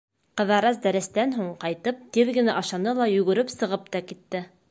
Ҡыҙырас дәрестән һуң, ҡайтып, тиҙ генә ашаны ла йүгереп сығып та китте.